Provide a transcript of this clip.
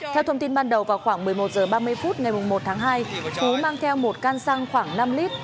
theo thông tin ban đầu vào khoảng một mươi một h ba mươi phút ngày một tháng hai phú mang theo một căn xăng khoảng năm lít